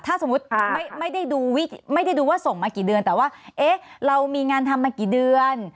ถ้าสมมุติไม่ได้ดูไม่ได้ดูว่าส่งมากี่เดือนแต่ว่าเอ๊ะเรามีงานทำมากี่เดือน